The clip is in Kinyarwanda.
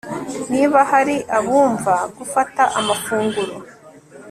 Niba hari abumva gufata amafunguro